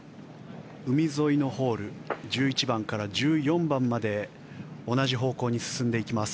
海沿いのホール１１番から１４番まで同じ方向に進んでいきます。